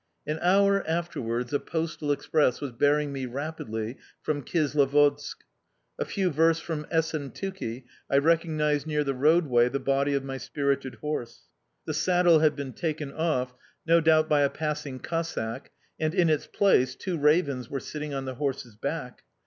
An hour afterwards a postal express was bearing me rapidly from Kislovodsk. A few versts from Essentuki I recognized near the roadway the body of my spirited horse. The saddle had been taken off, no doubt by a passing Cossack, and, in its place, two ravens were sitting on the horse's back.